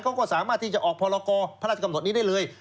เขาก็สามารถที่จะออกพรกรพระราชกำหนดนี้ได้เลย